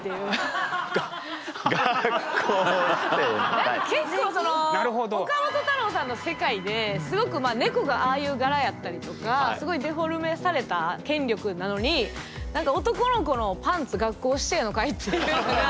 何か結構岡本太郎さんの世界ですごく猫がああいう柄やったりとかすごいデフォルメされた権力なのに男の子のパンツ学校指定のかいっていう。